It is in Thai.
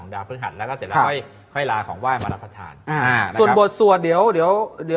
เล็กเล็กเล็กเล็กเล็กเล็กเล็กเล็กเล็กเล็กเล็กเล็กเล็กเล็กเล็ก